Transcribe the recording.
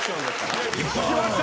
きました！